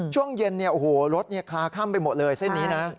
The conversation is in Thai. ช่วงเย็นเนี่ยโอ้โหรถเนี่ยคลาค่ำไปหมดเลยเส้นนี้นะ